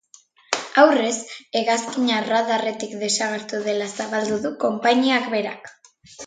Aurrez, hegazkina radarretatik desagertu dela zabaldu du konpainiak berak.